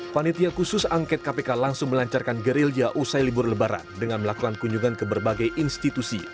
panitia khusus angket kpk langsung melancarkan gerilya usai libur lebaran dengan melakukan kunjungan ke berbagai institusi